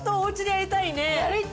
やりたい！